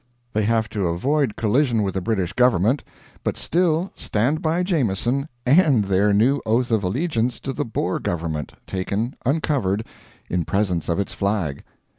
They have to avoid collision with the British government, but still stand by Jameson and their new oath of allegiance to the Boer government, taken, uncovered, in presence of its flag.